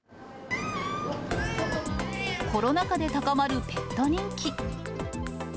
コロナ禍で高まるペット人気。